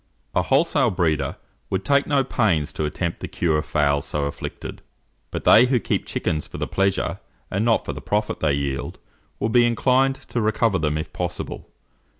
A wholesale breeder would take no pains to attempt the cure of fowls so afflicted; but they who keep chickens for the pleasure, and not for the profit they yield, will be inclined to recover them if possible.